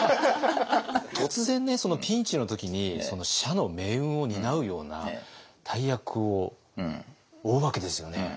突然ピンチの時に社の命運を担うような大役を負うわけですよね。